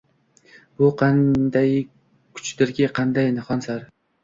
Bu qanday kuchdirki, qanday nihon sir? –